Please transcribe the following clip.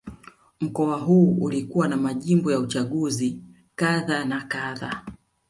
Mkoa huu ulikuwa na majimbo ya uchaguzi kadha na kadha